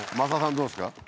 どうですか？